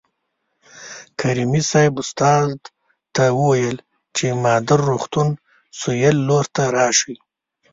کریمي صیب استاد ته وویل چې مادر روغتون سویل لور ته راشئ.